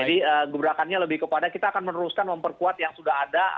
jadi gebrakannya lebih kepada kita akan meneruskan memperkuat yang sudah ada